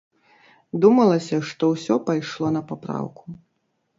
Думалася, што ўсё пайшло на папраўку.